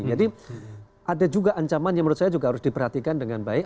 jadi ada juga ancaman yang menurut saya harus diperhatikan dengan baik